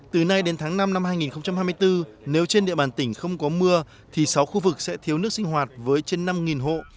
từ nay đến tháng năm năm hai nghìn hai mươi bốn nếu trên địa bàn tỉnh không có mưa thì sáu khu vực sẽ thiếu nước sinh hoạt với trên năm hộ